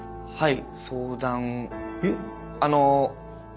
はい。